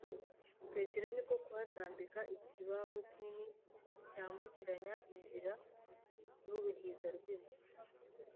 petero niko kuhatambika ikibaho kinini; cyambukiranya inzira n'uruhiza rw'inzu,